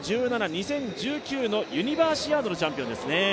２０１７、２０１９のユニバーシアードのチャンピオンです。